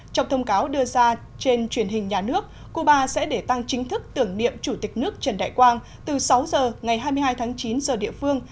trong thông cáo đưa ra trên truyền hình nhà nước cuba sẽ để tăng chính thức tưởng niệm chủ tịch nước trần đại quang từ sáu giờ ngày hai mươi hai tháng chín giờ địa phương